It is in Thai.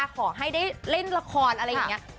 ขอให้ได้เล่นละครอะไรอย่างนี้